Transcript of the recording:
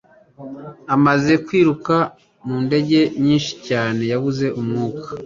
Amaze kwiruka mu ndege nyinshi cyane yabuze umwuka